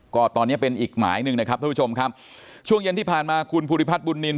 ก็ตอนนี้เป็นอีกหมายนึงนะครับท่านผู้ชมช่วงเย็นที่ผ่านมาคุณพุทธิพรรดิบุญนินต์